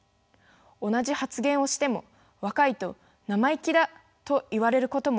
同じ発言をしても若いと生意気だと言われることもあります。